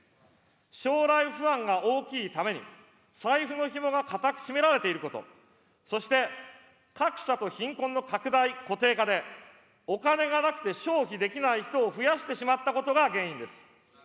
将来不安が大きいために、財布のひもが固く締められていること、そして格差と貧国の拡大・固定化で、お金がなくて消費できない人を増やしてしまったことが原因です。